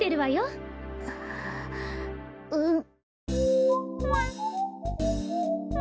うん。